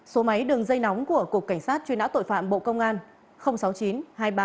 số máy đường dây nóng của cục cảnh sát truy nã tội phạm bộ công an